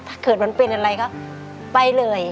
ถ้าเกิดมันเป็นอะไรก็ไปเลย